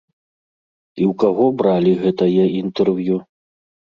І ў каго бралі гэтае інтэрв'ю?